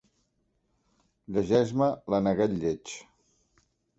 Llegeix-me l'Aneguet Lleig.